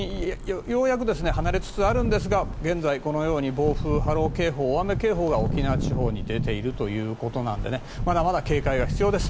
ようやく離れつつあるんですが現在、このように暴風・波浪警報大雨警報が沖縄地方に出ているということなのでまだまだ警戒が必要です。